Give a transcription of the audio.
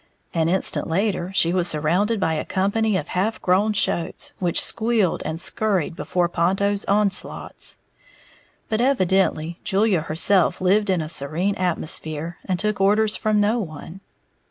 An instant later, she was surrounded by a company of half grown shoats, which squealed and scurried before Ponto's onslaughts. But evidently Julia herself lived in a serene atmosphere, and took orders from no one.